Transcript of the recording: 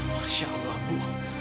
masya allah bu